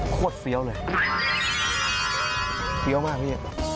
โคตรเฟี้ยวเลยเฟี้ยวมากพี่